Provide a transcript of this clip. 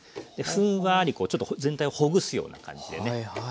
ふんわりこうちょっと全体をほぐすような感じでね。